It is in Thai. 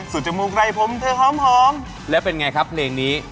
จมูกไรผมเธอหอมแล้วเป็นไงครับเพลงนี้